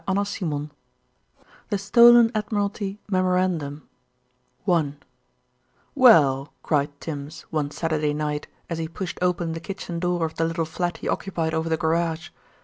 CHAPTER VI THE STOLEN ADMIRALTY MEMORANDUM I "Well," cried Tims, one Saturday night, as he pushed open the kitchen door of the little flat he occupied over the garage.